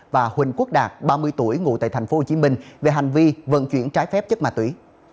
và huỳnh quốc đạt ba mươi tuổi ngụ tại tp hcm về hành vi vận chuyển trái phép chất ma túy